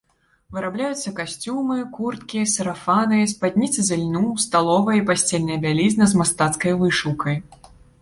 Вырабляюцца касцюмы, курткі, сарафаны, спадніцы з ільну, сталовая і пасцельная бялізна з мастацкай вышыўкай.